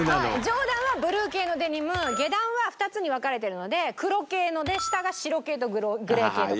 上段はブルー系のデニム下段は２つに分かれてるので黒系ので下が白系とグレー系とか。